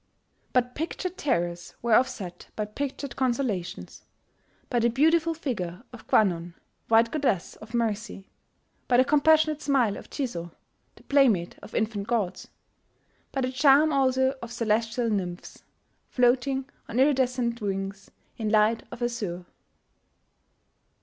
But pictured terrors were offset by pictured consolations, by the beautiful figure of Kwannon, white Goddess of Mercy, by the compassionate smile of Jizo, the playmate of infant ghosts, by the charm also of celestial nymphs, floating on iridescent wings in light of azure.